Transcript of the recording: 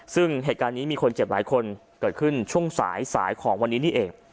ซึ่งเหตุการณ์นี้มีคนเจ็บหลายคนเกิดขึ้นช่วงสายสายของวันนี้นี่เอง